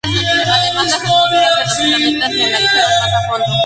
Además, las atmósferas de los planetas se analizaron más a fondo.